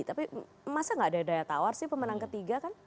tapi masa gak ada daya tawar sih pemenang ketiga kan